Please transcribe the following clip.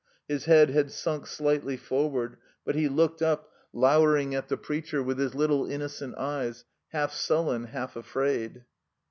His head had sunk slightly forward, but he looked up, lowering at the preacher with his little innocent eyes, half sullen, half afraid.